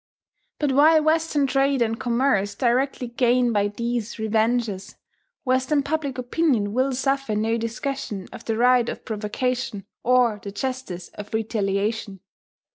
But while Western trade and commerce directly gain by these revenges, Western public opinion will suffer no discussion of the right of provocation or the justice of retaliation.